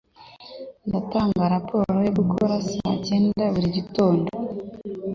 Ndatanga raporo yo gukora saa cyenda buri gitondo.